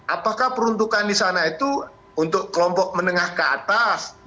apakah peruntukan di sana itu untuk kelompok menengah ke atas